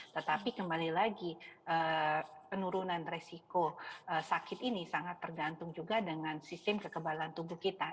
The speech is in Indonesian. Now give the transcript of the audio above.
tetapi kembali lagi penurunan resiko sakit ini sangat tergantung juga dengan sistem kekebalan tubuh kita